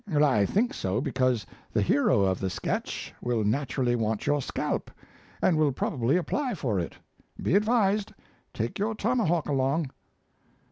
"I think so because the hero of the sketch will naturally want your scalp, and will probably apply for it. Be advised. Take your tomahawk along."